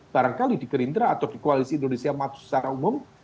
barangkali di gerindra atau di koalisi indonesia maju secara umum